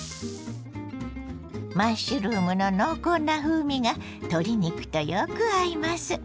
マッシュルームの濃厚な風味が鶏肉とよく合います。